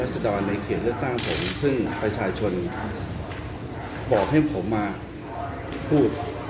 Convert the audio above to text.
และสถานในเขียนเลือดตั้งผมซึ่งประชาชนบอกให้ผมมาพูดเรื่องนี้ครับ